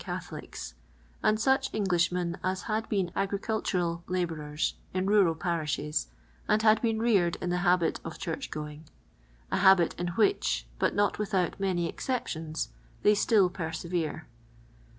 atholics, and such Englishmen as had been agricultural labourers in rural parishes, and had been reared in the habit of church going ; a habit in which, but not without many excep tions, they still persevere.